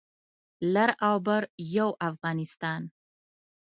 لر او بر یو افغانستان